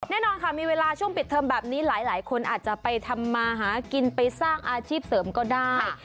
แน่นอนค่ะมีเวลาช่วงปิดเทอมแบบนี้หลายคนอาจจะไปทำมาหากินไปสร้างอาชีพเสริมก็ได้